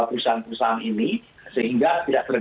untuk menjaga momentum yang